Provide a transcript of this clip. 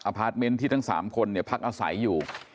พาร์ทเมนต์ที่ทั้ง๓คนพักอาศัยอยู่